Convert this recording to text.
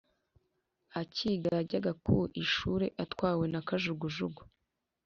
acyiga yajyaga ku ishuli atwawe na kajugujugu